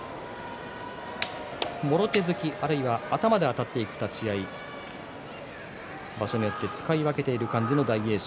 もろ手突き、あるいは頭であたっていく立ち合い場所によって使い分けている感じの大栄翔